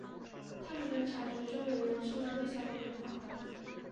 他们能察觉周围人事物微小的变化。